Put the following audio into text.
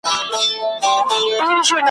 د دې کښت حاصل قاتل زموږ د ځان دی ,